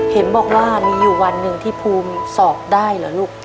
เห็นบอกว่ามีอยู่วันหนึ่งที่ภูมิสอบได้เหรอลูก